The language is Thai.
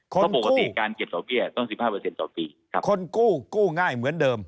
เขาปกติการเก็บต่อเบี้ยต้องสิบห้าเปอร์เซ็นต์ต่อปีครับคนกู้กู้ง่ายเหมือนเดิม